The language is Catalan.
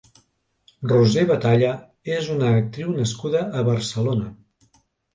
Roser Batalla és una actriu nascuda a Barcelona.